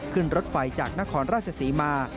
ขึ้นรถไฟจากนครราชศรีมา